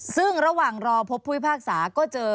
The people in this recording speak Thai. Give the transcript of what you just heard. ซึ่งระหว่างรอพบผู้พิพากษาก็เจอ